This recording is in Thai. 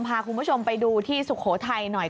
พาคุณผู้ชมไปดูที่สุโขทัยหน่อย